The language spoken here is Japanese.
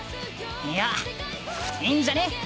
いやいいんじゃね？